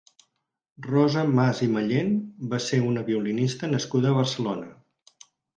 Rosa Mas i Mallén va ser una violinista nascuda a Barcelona.